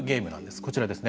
こちらですね。